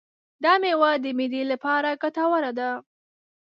دا مېوه د معدې لپاره ګټوره ده.